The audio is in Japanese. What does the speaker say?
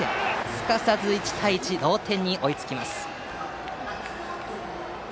すかさず１対１同点に追いつきます。